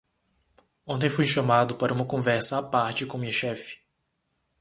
Ontem fui chamado para uma conversa à parte com minha chefe.